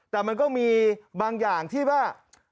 แต่มันก็มีบางอย่างที่ว่า